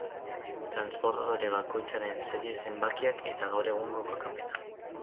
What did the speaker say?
Transbordadore bakoitzaren serie-zenbakiak eta gaur egungo kokapena.